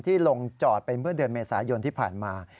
ลงจอดไปเมื่อเดือนเมษายนที่ผ่านมา